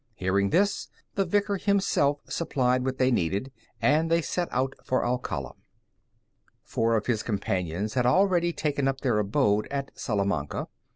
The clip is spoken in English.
Hearing this, the Vicar himself supplied what they needed, and they set out for Alcala. Four of his companions had already taken up their abode at Salamanca.